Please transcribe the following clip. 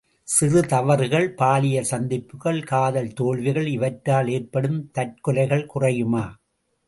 சிறு தவறுகள், பாலியல் சந்திப்புகள், காதல் தோல்விகள் இவற்றால் ஏற்படும் தற்கொலைகள் குறையுமா?